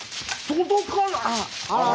届かない！